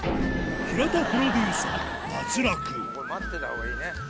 平田プロデューサー、脱落。